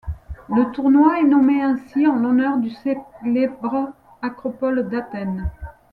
Le tournoi est nommé ainsi en l'honneur du célèbre Acropole d'Athènes.